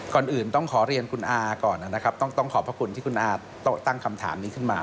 ก่อนอื่นต้องขอเรียนคุณอาก่อนนะครับต้องขอบพระคุณที่คุณอาตั้งคำถามนี้ขึ้นมา